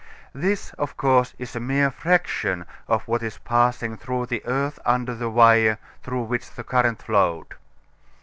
This of course is a mere fraction of what is passing through the earth under the wire through which the current flowed.